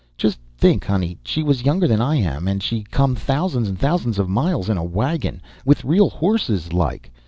Just think, honey, she was younger than I am, and she come thousands and thousands of miles in a wagon! With real horses, like!